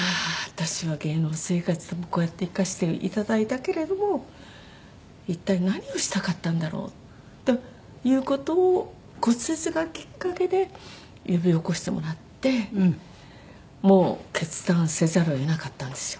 私は芸能生活でもこうやって生かしていただいたけれども一体何をしたかったんだろうという事を骨折がきっかけで呼び起こしてもらってもう決断せざるを得なかったんですよ。